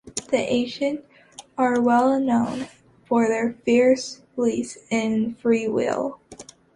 The Ancients are well known for their fierce belief in free will.